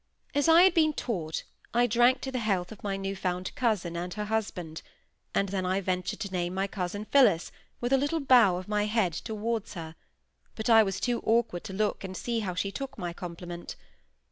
As I had been taught, I drank to the health of my newfound cousin and her husband; and then I ventured to name my cousin Phillis with a little bow of my head towards her; but I was too awkward to look and see how she took my compliment.